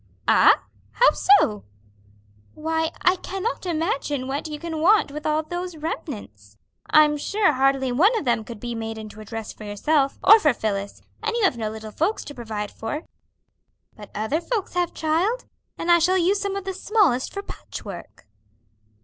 "Ah! how so?" "Why, I cannot imagine what you can want with all those remnants. I'm sure hardly one of them could be made into a dress for yourself or for Phillis, and you have no little folks to provide for." "But other folks have, child, and I shall use some of the smallest for patchwork."